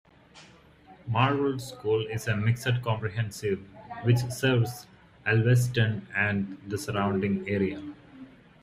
Marlwood School is a mixed comprehensive which serves Alveston and the surrounding area.